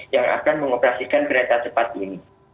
yang akan mengoperasikan kereta cepat ini